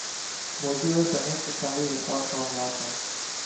موضوع بحث انتہائی حساس معاملات ہیں۔